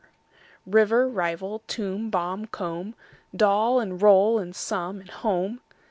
River, rival; tomb, bomb, comb; Doll and roll and some and home.